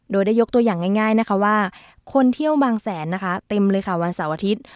โดยยกตัวอย่างง่ายว่าคนเที่ยวบางแสนเต็มวันเสาร์อาทิตย์